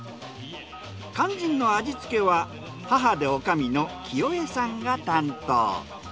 肝心の味付けは母で女将の清栄さんが担当。